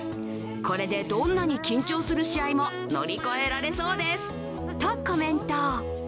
これでどんなに緊張する試合も乗り越えられそうですとコメント。